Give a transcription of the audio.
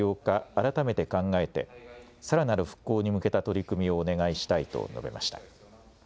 改めて考えて、さらなる復興に向けた取り組みをお願いしたいと述べました。